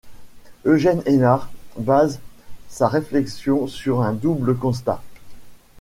Eugène Hénard base sa réflexion sur un double constat.